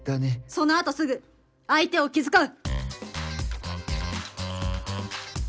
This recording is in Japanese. そのあとすぐ相手を気遣う！